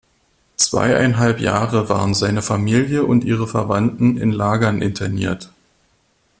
Zweieinhalb Jahre waren seine Familie und ihre Verwandten in Lagern interniert.